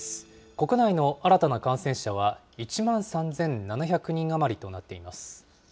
国内の新たな感染者は１万３７００人余りとなっています。